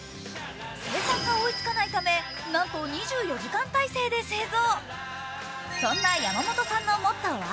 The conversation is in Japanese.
生産が追いつかないためなんと２４時間体制で製造。